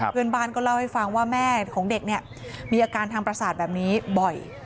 เพื่อนบ้านก็เล่าให้ฟังว่าแม่ของเด็กเนี่ยมีอาการทางประสาทแบบนี้บ่อย